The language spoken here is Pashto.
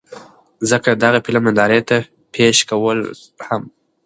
ځکه د دغه فلم نندارې ته پېش کول هم